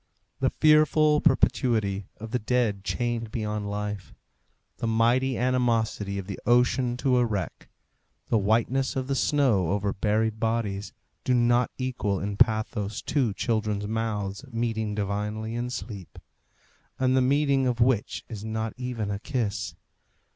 The fearful perpetuity of the dead chained beyond life, the mighty animosity of the ocean to a wreck, the whiteness of the snow over buried bodies, do not equal in pathos two children's mouths meeting divinely in sleep, and the meeting of which is not even a kiss.